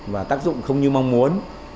và tác dụng không như mong muốn